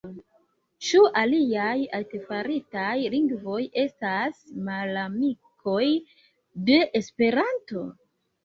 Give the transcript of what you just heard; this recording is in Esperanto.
Ĉu aliaj artefaritaj lingvoj estas malamikoj de Esperanto?